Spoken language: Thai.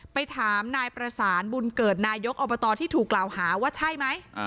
ไปถามนายประสานบุญเกิดนายกอบตที่ถูกกล่าวหาว่าใช่ไหม